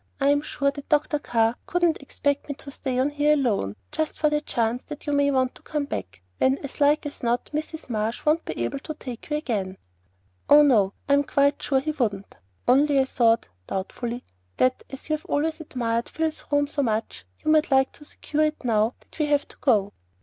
I'm sure that Dr. Carr couldn't expect me to stay on here alone, just for the chance that you may want to come back, when as like as not, Mrs. Marsh won't be able to take you again." "Oh, no; I'm quite sure he wouldn't. Only I thought," doubtfully, "that as you've always admired Phil's room so much, you might like to secure it now that we have to go."